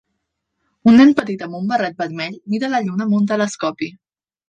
Un nen petit amb un barret vermell mira la lluna amb un telescopi.